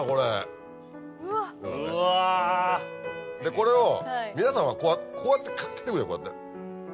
これを皆さんはこうやって切ってくじゃんこうやって。